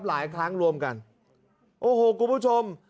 หลายครั้งรวมกันโอ้โหคุณผู้ชม